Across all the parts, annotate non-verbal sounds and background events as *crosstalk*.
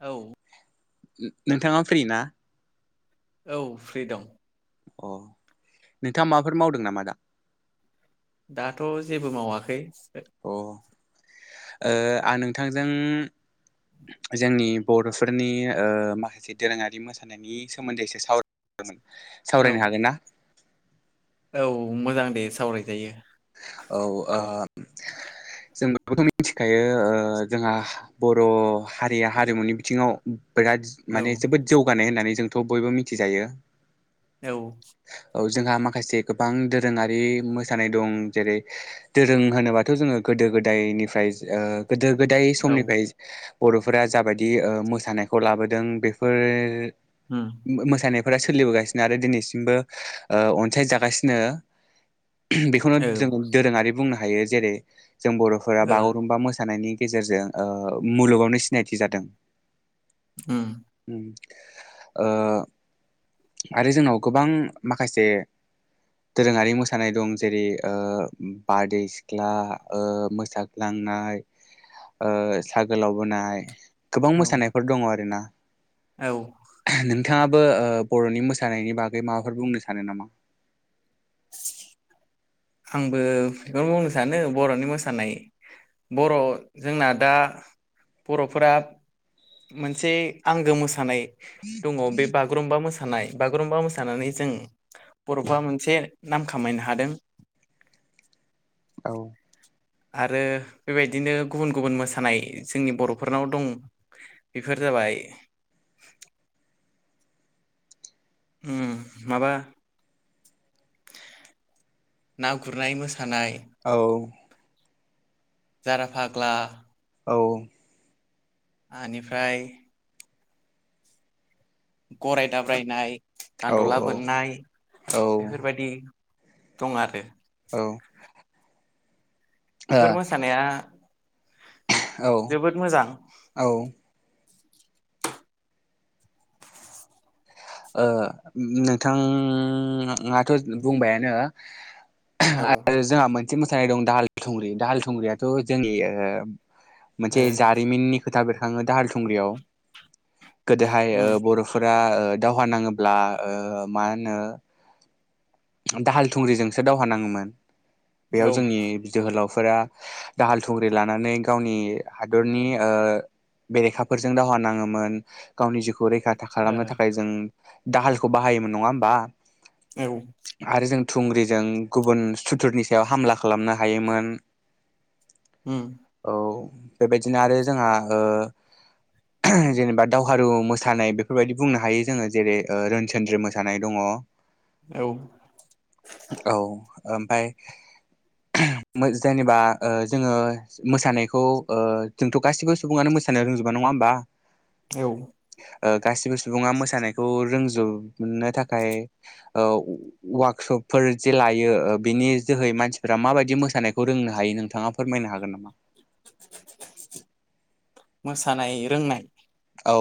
औ नोंथाङा फ्रि ना औ फ्रि दं अ नोंथाङा माबाफोर मावदों नामा दा दाथ' जेबो मावाखै अ ओ आं नोंथांजों जोंनि बर'फोरनि ओ माखासे दोरोङारि मोसानायनि सोमोन्दैसो सावरायगोमोन औ सावरायनो हागोन ना औ मोजां दे सावरायजायो औ ओ जों बेखौथ' मिथिखायो जोंहा बर' हारिया हारिमुनि बिथिङाव बिराद औ माने जोबोद जौगानाय होननानै जोंथ' बयबो मिथिजायो। औ औ जोंहा माखासे गोबां दोरोङारि मोसानाय दं जेरै दोरों होनोबाथ' जोंङो गोदो गोदायनिफ्राय ओ गोदो गोदाय औ समनिफाय बर'फोरा जाबायदि ओ मोसानायखौ लाबोदों बेफोर उम मोसानाय फोरा सोलिबोगासिनो आरो दिनैसिमबो अनसायजागासिनो बेखौनो औ जोंङो दोरोंङारि बुंनो हायो जेरै जों बर'फोरा ओ बागुरुम्बा मोसानायनि गेजेरजों ओ मुलुगावनो सिनायथि जादों। *inaudible* ओ आरो जोंनाव गोबां माखासे दोरोङारि मोसानाय दं। जेरै ओ बारदै सिख्ला, ओ मोसाग्लांनाय, ओ सा गोलाव बोनाय। गोबां औ मोसानायफोर दङ आरोना। औ। थाङाबो ओ बर'नि मोसानायनि बागै माबाफोर बुंनो सानो नामा? *inaudible* आंबो *unintelligible* खौनो बुंनो सानो बर'नि मोसानाय, बर' जोंना दा बर'फोरा मोनसे आंगो मोसानाय दङ, बे बागुरुमबा मोसा सानाय। बागुरुम्बा मोसानानै जों बर'फ्रा मोनसे नाम खामायनो हादों। औ। आरो बेबायदिनो गुबुन गुबुन मोसानाय जोंनि बर'फोरनाव दं। बेफोर जाबाय उम माबा ना गुरनाय मोसा औ। जाराफाग्ला। औ। आनिफाय गराय दाब्रायनाय। औ गान्द'ला औ बोननाय औ बेफोरबादि दं आरो। औ। बेफोर मोसानाया ओ औ जोबोद मोजां। औ ओ ओ नोंथाङाथ' बुंबायानो औ आरो जोंहा मोनसे मो सानाय दं, दाहाल थुंग्रि। दाहाल थुंग्रियाथ' जोंनि ओ मोनसे ओ जारिमिननि खोथा बेर खाङो दाहाल थुंग्रियाव। गोदोहाय ओ उम बर'फोरा ओ दावहा नाङोब्ला ओ मा होनो दाहाल थुंग्रिजोंसो दावहा नाङोमोन। औ बेयाव ओ जोंनि बि जोहोलाव फोरा दाहाल थुंग्रि लानानै गावनि हादरनि ओ बेरेखाफोरजों दावहा नाङोमोन गावनि जिउ खौ रैखाथा खालामनो थाखाय जों दाहालखौ बाहायोमोन नङा होमबा? औ। आरो जों थुंग्रिजों गुबुन सुथुरनि सायाव हामला खालामनो हायोमोन। उम औ। बेबायदिनो आरो जोंहा ओ जेनेबा दावहारु मोसानाय बेफोरबायदि बुंनो हायो जोङो जेरै रोनसोनद्रि मोसानाय दङ। औ औ। ओमफाय मो जेनेबा ओ जोङो मोसानायखौ ओ जोंथ' गासिबो सुबुङानो मोसानो रोंजोबा नङा होमबा? औ। ओ गासिबो सुबुंङा मोसानायखौ रोंजोबनो थाखाय ओ वार्कशपफोर जे लायो बिनि जोहै मानसिफोरा माबायदि मोसानायखौ रोंनो हायो नोंथाङा फोरमायनो हागोन नामा? *unintelligible* मोसानाय रोंनाय। औ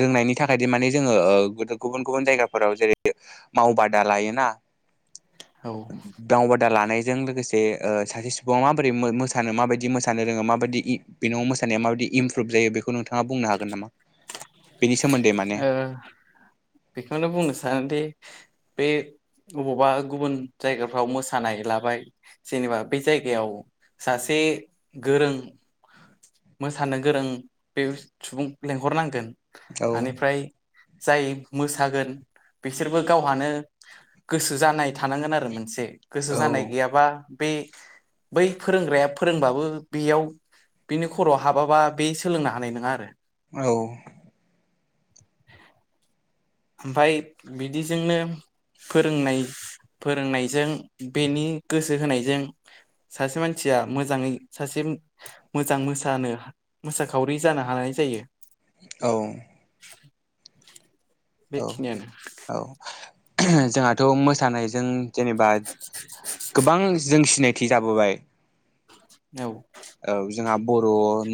रोंनायनि थाखाय दि माने जोङो ओ गुबुन गुबुन जायगाफोराव जेरै मावबादा लायोना। औ। दा लानायजों लोगोसे सासे ओ सुबुंङा माबोरै मो-मोसानो माबायदि मोसानो रोङो माबायदि बेनाव इ मोसानाया माबायदि इमप्रुभ जायो बेखौ नोंथाङा बुंनो हागोन नामा? बेनि सोमोन्दै माने ओ बेखौनो बुंनो सानोदि बे अबावबा गुबुन जायगाफ्राव मोसानाय लाबाय जेनेबा बे जायगायाव सासे गोरों मोसानो गोरों बे सुबुं लेंहरनांगोन। औ आनिफ्राय जाय मोसागोन बिसोरबो गावहानो गोसो जानाय थानांगोन आरो मोनसे। गोसो जानाय गैयाबा बे बै फोरोंग्राया फोरोंबाबो बेयाव बिनि खर'वाव हाबाबा बे सोलोंनो हानाय नङा आरो। औ। ओमफाय बिदिजोंनो फोरोंनाय फोरोंनायजों बेनि गोसो होनायजों सासे मानसिया मोजाङै सासे मोजां मोसानो मोसाखावरि जानो हानाय जायो। औ। *inaudible* औ बेखिनियानो औ। जोंहाथ' मोसानायजों जेनेबा गोबां जों सिनाय थि जाबोबाय औ। औ जोंहा बर'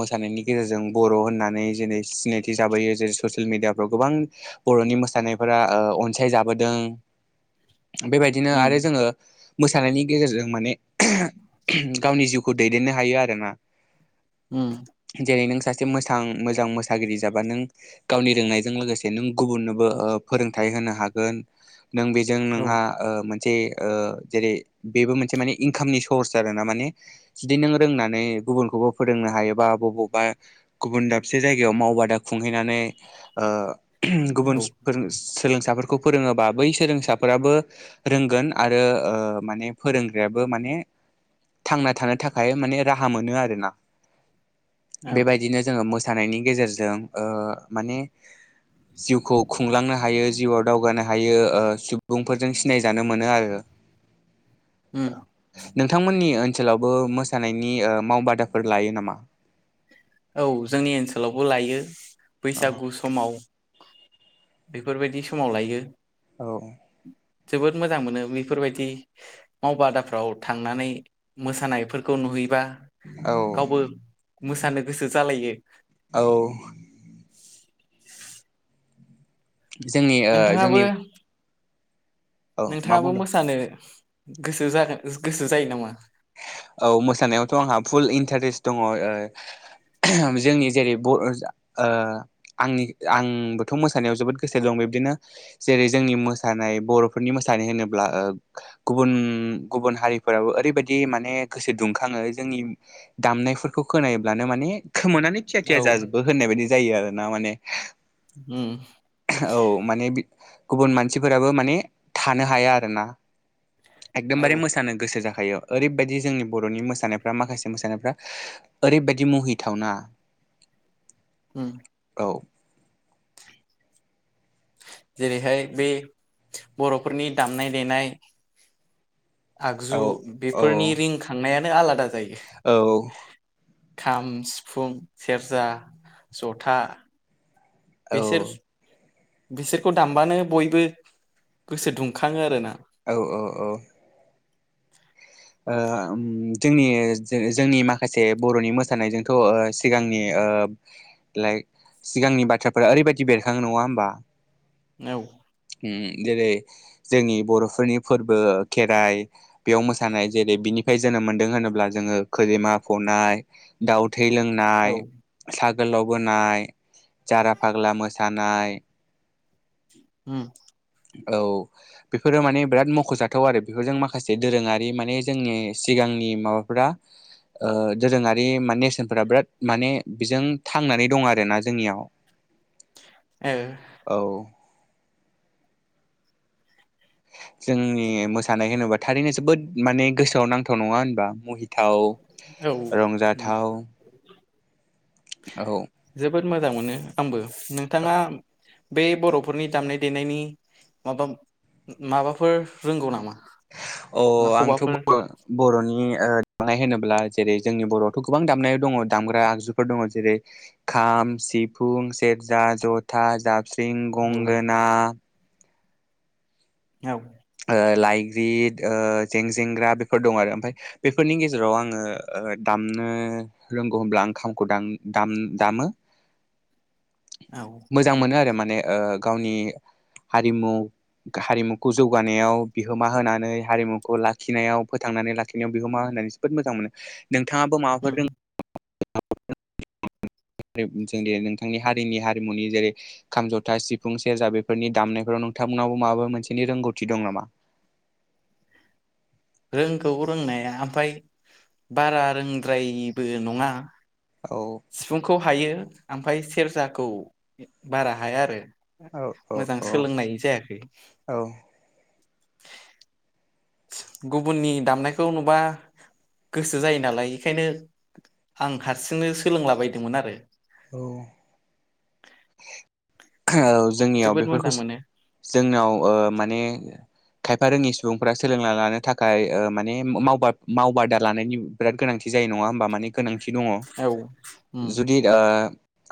मोसानायनि गेजेरजों बर' होननानै जेरै सिनायथि जाबोयो जेरै ससियेल मेडियाफ्राव गोबां बर'नि मोसानायफोरा ओ अनसायजाबोदों। बेबायदिनो उम आरो जोङो मोसानायनि गेजेरजों माने *unintelligible* गावनि जिउखौ दैदेननो हायो आरो। उम *unintelligible* जेरै नों सासे मोजां मोजां मोसागिरि जाबा नों गावनि रोंनायजों लोगोसे नों गुबुननोबो फोरोंथाइ होनो हागोन नों बेजों औ नोंहा ओ जे ओ जेरै बेबो मोनसे मानि इनकामनि सर्स आरोना माने जुदि नों रोंनानै गुबुनखौबो फोरोंनो हायोबा बबावबा गुबुन दाबसे जायगायाव मावबादा खुंहैनानै ओ औ गुबुन गुबुन सोलोंसाफोरखौ फोरोङोबा बै सोलोंसाफोराबो रोंगोन आरो ओ माने फोरोंग्रायाबो माने थांना थानो थाखाय माने राहा मोनो आरो ना औ बेबायदिनो जोङो मोसा मोसानायनि गेजेरजों ओ माने जिउखौ खुंलांनो हायो जिउआव दावगानो हायो ओ सुबुंफोरजों सिनायजानो मोनो आरो औ उम *inaudible* नोंथांमोननि ओनसोलावबो मोसानाय नि ओ मावबादाफोर लायो नामा? औ जोंनि ओनसोलावबो लायो अ बैसागु समाव बेफोरबायदि समाव लायो औ जोबोद मोजां मोनो बेफोरबायदि मावबादाफ्राव थांनानै मोसानायफोरखौ नुहैबा औ गावबो मोसानो गोसो जालायो *unintelligible* औ जोंनि ओ नोंथाङाबो जोंनि औ मा नोंथाङाबो बुंदों मोसानो गोसो जागोन गोसो जायो नामा? औ मोसानायावथ आंहा फुल इन्टारेस्ट दङ ओ जोंनि जेरै बर ओ आंनि आंबोथ मोसानायाव जोबोद गोसो दं बिबदिनो जेरै जोंनि मोसानाय बर'फोरनि मोसानाय होनोब्ला ओ गुबुन गुबुन हारिफोराबो ओरैबायदि बिदि माने गोसो दुंखाङो जोंनि दामनायफोरखौ खोनायोब्लानो माने खोमनानै थिया थिया औ जाजोबो होननाय बायदि जायो आरो ना माने उम औ माने गुबुन मानसिफोराबो माने थानो हाया आरोना औ एकदमबारे मोसानो गोसो जाखा हायो *inaudible* ओरैबायदि जोंनि बर'नि मोसानायफ्रा माखासे मोसानायफ्रा ओरैबायदि मुहिथावना उम औ जेरैहाय बे बर'फोरनि दामनाय देनाय औ आगजु औ बेफोरनि रिंखांनाया आलादा जायो औ खाम सिफुं सेरजा जथा। औ बेसोर बिसोरखौ दामबानो बयबो गोसो दुंखाङो आरोना। औ औ औ ओ जोंनि जोंनि माखासे बर'नि मोसानायजोंथ' ओ सिगांनि ओ लाइक सिगांनि बाथ्राफोरा ओरैबायदि बेरखाङो नङा होमबा औ उम जेरै जोंनि बर'फोरनि फोरबो खेराइ बेयाव मोस सानाय जेरै बिनिफ्राय जोनोम मोनदों होनोब्ला जोङो खैजेमा फ'नाय दाउ थै औ लोंनाय सा गोलाव बोनाय जारा फाग्ला मोसानाय। ओम औ बेफोरो माने बिराद मख'जाथाव आरो बेफोरजों माखासे दोरोङारि माने जोंनि सिगांनि माबाफोरा ओ दोरोङारि मानि नेरसोनफोरा बिराद माने बेजों थांनानै दं आरोना जोंनियाव। औ। औ जोंनि मोसानाय होनोबा थारैनो जोबोद माने गोसोआव नांथाव नङा होनबा महि थाव औ उम रंजाथाव। औ। जोबोद मोजां मोनो आंबो नोंथाङा बे बर'फोरनि दामनाय देनायनि माबा माबाफोर रोंगौ नामा। अ आंथ' माखौबाफोर बर' बर'नि ओ दामनाय होनोब्ला जेरै जोंनि बर'आवथ' गोबां दामनाय दङ दामग्रा आगजुफोर दङ जेरै खाम सिफुं सेरजा जथा जाब स्रिं औ गंगोना, औ ओ लाइग्रिद ओ जेंजेंग्रा बेफोर दं आरो ओमफाय बेफोरनि गेजेराव आङो ओ दामनो रोंगौ होनब्ला आं खामखौ दाम दाम दामो। औ मोजां मोनो आरो माने ओ गावनि हारिमु हारिमुखौ जौग गानायाव बिहोमा होनानै हारिमुखौ लाखिनायाव फोथांनानै लाखिनायाव बिहोमा होनानै जोबोद मोजां मोनो। नोंथाङाबो माबाफोर उम रों जोंनि नोंथांनि हारिनि हारिमुनि जेरै खाम जथा सिफुं सेरजा बेफोरनि दामनायफोराव नोंथांमोनाव माबा मोनसेनि रोंगौथि दं नामा? रोंगौ रोंनाया ओमफाय बारा रोंद्रायिबो नङा। औ सिफुंखौ हायो। ओमफाय सेरजाखौ बारा हाया आरो। औ औ मोजां औ सोलोंनाय जायाखै। *inaudible* औ गुबुननि दामनायखौ नुबा गोसो जायो नालाय बेखायनो आं हारसिंनो सोलोंलाबायदोंमोन आरो। औ औ जोंनियाव जोबोद बेफोरखौ मोजां मोनो जोंनाव ओ माने खायफा रोङि सुबुंफोरा सोलोंना लानो थाखाय ओ माने मावबाद मावबादा लानायनि बिराद गोनांथि जायो नङा होमबा माने गोनां थि दङ। औ उम जुदि ओ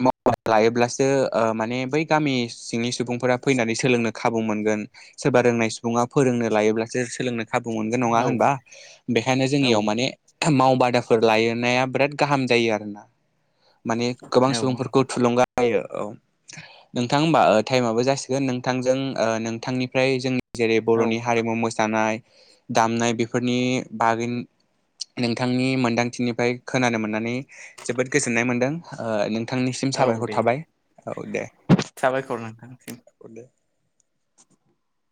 मावबादा लायोब्लासो ओ माने बै गामि सिंनि सुबुंफोरा फैनानै सोलोंनो खाबु मोनगोन सोरबा रोंनाय सुबुङा फोरोंनो लायोब्लासो सोलोंनो खाबु मोनगोन नङा औ होनबा? बेखायनो औ जोंनियाव माने मावबादाफोर लायोनाया बिराद गाहाम जायो आरोना। माने गोबां औ सुबुंफोरखौ थुलुंगा आयो औ नोंथां हमबा ओ टाइमाबो जासिगोन नोंथांजों ओ नोंथांनिफ्राय जोंनि जेरै औ बर'नि हारिमु मोसानाय दामनाय बेफोरनि बागै नोंथांनि मोनदांथिनिफ्राय खोनानो मोननानै जोबोद गोजोननाय मोनदों ओ नों थांनिसिम औ साबायखर दे थाबाय औ दे साबायखर नोंथांनिसिम *inaudible*